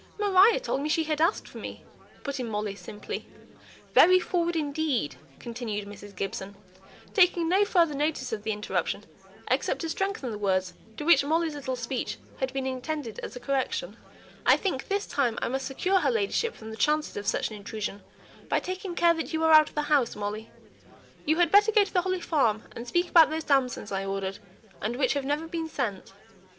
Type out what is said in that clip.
"Maria told me she had asked for me," put in Molly, simply. "Very forward indeed!" continued Mrs. Gibson, taking no further notice of the interruption, except to strengthen the words to which Molly's little speech had been intended as a correction. "I think this time I must secure her ladyship from the chances of such an intrusion, by taking care that you are out of the house, Molly. You had better go to the Holly Farm, and speak about those damsons I ordered, and which have never been sent."